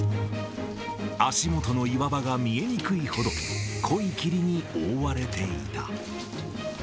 足元の岩場が見えにくいほど、濃い霧に覆われていた。